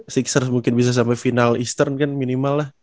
sixers mungkin bisa sampai final eastern kan minimal lah